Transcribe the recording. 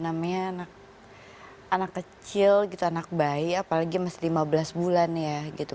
namanya anak kecil gitu anak bayi apalagi masih lima belas bulan ya gitu